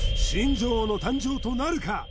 新女王の誕生となるか？